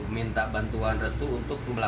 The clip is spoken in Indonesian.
minta bantuan restu untuk